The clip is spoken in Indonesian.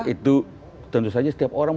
itu tentu saja setiap orang